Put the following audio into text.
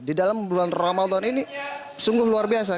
di dalam bulan ramadan ini sungguh luar biasa